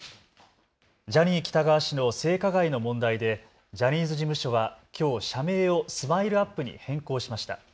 ジャニー喜多川氏の性加害の問題でジャニーズ事務所はきょう社名をＳＭＩＬＥ−ＵＰ．に変更しました。